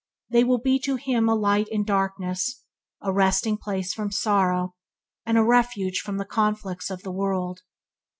They will be to him a light in darkness, a resting place from sorrow, and a refuge from the conflicts of the world.